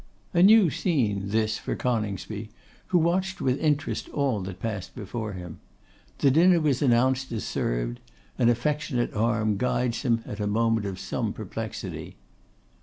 A new scene this for Coningsby, who watched with interest all that passed before him. The dinner was announced as served; an affectionate arm guides him at a moment of some perplexity.